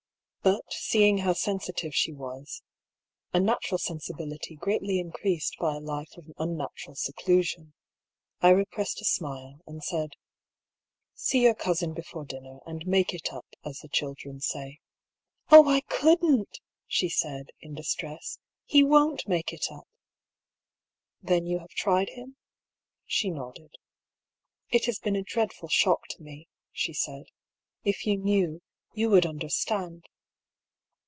But seeing how sensitive she was — a natural sensibility greatly increased by a life of unnatural seclusion — I re pressed a smile, and said : EXTRACT FROM DIARY OP HUGH PAULL. 87 " See your cousin before dinner, and * make it up,'' as the children say. " Oh, I couldnH !" she said, in distress. " He won't make it up." " Then you have tried him ?" She nodded. It has been a dreadful shock to me," she said. *' If you knew, you would understand."